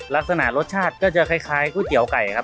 ลักษณะรสชาติก็จะคล้ายก๋วยเตี๋ยวไก่ครับ